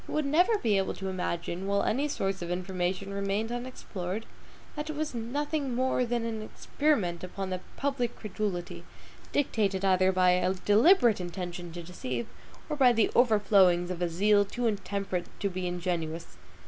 He would never be able to imagine, while any source of information remained unexplored, that it was nothing more than an experiment upon the public credulity, dictated either by a deliberate intention to deceive, or by the overflowings of a zeal too intemperate to be ingenuous.